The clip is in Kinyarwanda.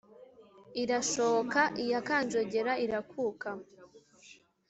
irashooka iya kánjogera irakuka